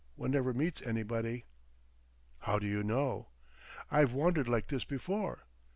One never meets anybody." "How do you know?" "I've wandered like this before....